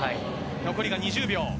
残り２０秒。